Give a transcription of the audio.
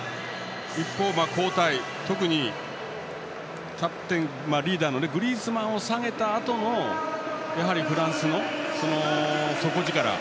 一方、交代特にキャプテンでリーダーのグリーズマンを下げたあとのフランスの底力。